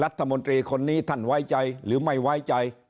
รัฐมนตรีคนนี้ท่านไว้ใจหรือไม่ไว้ใจ